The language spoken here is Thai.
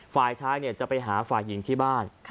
ฝ่ายชายจะไปหาฝ่ายหญิงที่บ้าน